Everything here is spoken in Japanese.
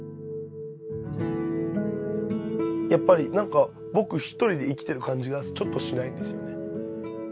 やっぱり何か僕１人で生きてる感じがちょっとしないんですよね